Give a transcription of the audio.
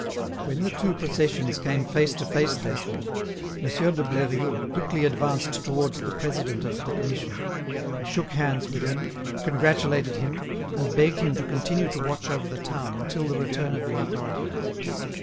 When the two processions came face to face therefore, Monsieur de Bleriot quickly advanced towards the president of the Commission, shook hands with him, congratulated him, and begged him to continue to watch over the town until the return of the authorities.